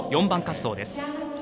４番滑走です。